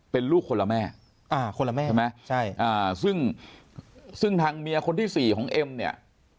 เป็นลูกคนละแม่คนละแม่ใช่ไหมซึ่งทางเมียคนที่๔ของเอ็มเนี่ย